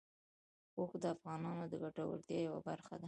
اوښ د افغانانو د ګټورتیا یوه برخه ده.